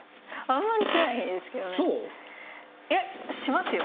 あんまりしないですけどね。